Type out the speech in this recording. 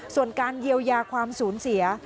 ส่วนการเยียวยาความสูญเสีย